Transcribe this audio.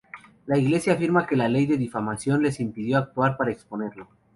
La iglesia afirma que la ley de difamación les impidió actuar para exponerlo.